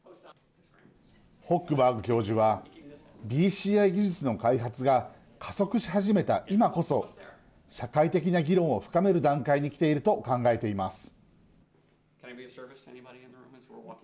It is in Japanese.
ホックバーグ教授はＢＣＩ技術の開発が加速し始めた今こそ社会的な議論を深める段階にきていると考えています。